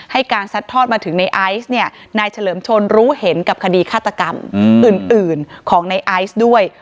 การซัดทอดมาถึงในไอซ์เนี่ยนายเฉลิมชนรู้เห็นกับคดีฆาตกรรมอื่นของในไอซ์ด้วย